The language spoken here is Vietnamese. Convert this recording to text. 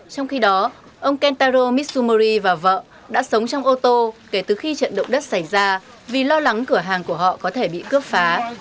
trong khi đó ông kentaro mitsumori và vợ đã sống trong ô tô kể từ khi trận động đất xảy ra vì lo lắng cửa hàng của họ có thể bị cướp phá